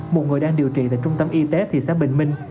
một người đang điều trị tại trung tâm y tế thị xã bình minh